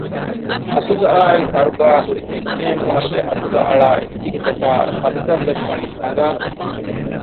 އަތުގައާއި ކަރުގައިހުރި ޗެންޗޭނުވަރުގެ އަތުގަ އަޅާ އެއްޗެހިތަކާ ފަށްތައްވެސް ވަނީ ނަގާފަ